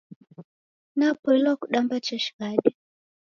Napoilwa kudamba cha shighadi